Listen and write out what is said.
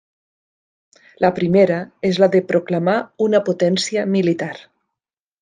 La primera és la de proclamar una potència militar.